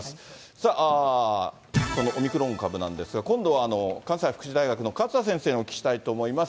さあ、オミクロン株なんですが、今度は関西福祉大学の勝田先生にお聞きしたいと思います。